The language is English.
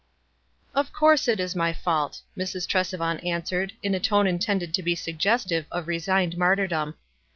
"Of course it is my fault," Mrs. Tresevant answered, in a tone intended to be suggestive of resigned martyrdom.